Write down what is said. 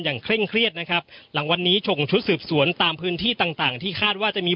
เคร่งเครียดนะครับหลังวันนี้ส่งชุดสืบสวนตามพื้นที่ต่างต่างที่คาดว่าจะมี